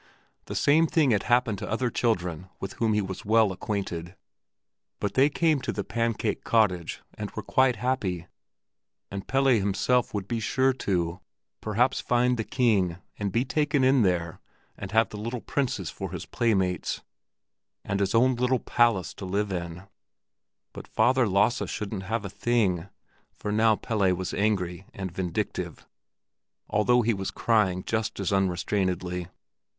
The same thing had happened to other children with whom he was well acquainted; but they came to the pancake cottage and were quite happy, and Pelle himself would be sure to—perhaps find the king and be taken in there and have the little princes for his playmates, and his own little palace to live in. But Father Lasse shouldn't have a thing, for now Pelle was angry and vindictive, although he was crying just as unrestrainedly.